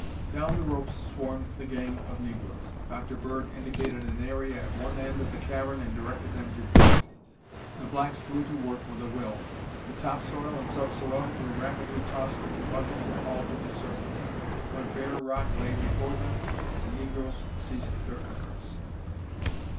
Down the ropes swarmed the gang of negroes. Dr. Bird indicated an area at one end of the cavern and directed them to dig. The blacks flew to work with a will. The top soil and subsoil were rapidly tossed into buckets and hauled to the surface. When bare rock lay before them, the negroes ceased their efforts.